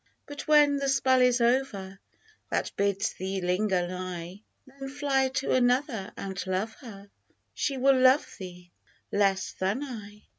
But when the spell is over That bids thee linger nigh, Then fly to another and love her — She will love thee less than I.